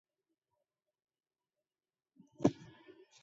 زەبیحی هاتۆتە مەهاباد شێخ عیززەدینی دیتووە